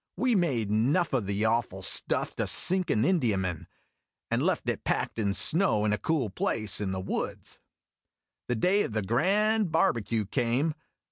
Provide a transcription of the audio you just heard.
We made enough o' the awful A YARN OF SAILOR BEN S 225 stuff to sink an Indiaman, and left it packed in snow in a cool place in the woods. The day of the grand barbecue came.